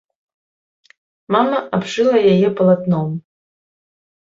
Мама абшыла яе палатном.